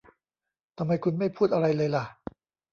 ทำไมคุณไม่พูดอะไรเลยล่ะ